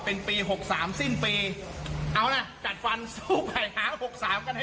เป็นปีหกสามสิ้นปีเอาล่ะจัดฟันสู้ใหม่หาหกสามกันเ